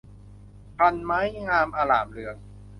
พรรณไม้งามอร่ามเรือง